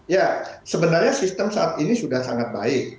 ya sebenarnya sistem saat ini sudah sangat baik